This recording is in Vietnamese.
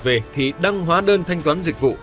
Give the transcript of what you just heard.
về thì đăng hóa đơn thanh toán dịch vụ